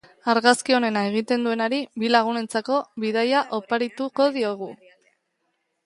Argazki onena egiten duenari bi lagunentzako bidaia oparituko diogu.